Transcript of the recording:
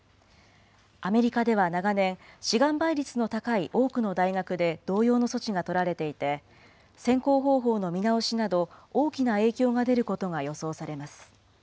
アメリカでは長年、志願倍率の高い多くの大学で同様の措置が取られていて、選考方法の見直しなど大きな影響が出ることが予想されます。